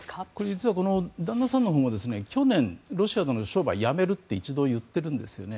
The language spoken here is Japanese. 実は旦那さんのほうは去年ロシアのほうで商売をやめると一度、言ってるんですよね。